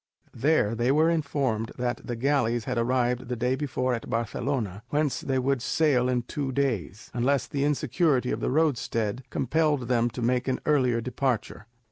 There they were informed that the galleys had arrived the day before at Barcelona, whence they would sail in two days, unless the insecurity of the roadstead compelled them to make an earlier departure.